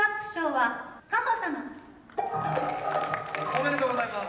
おめでとうございます。